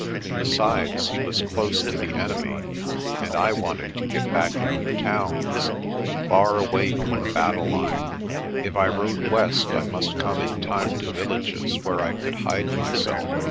Besides, he was close to the enemy and I wanted to get back into the towns, far away from the battle line. If I rode west I must come in time to vil lages, where I could hide myself.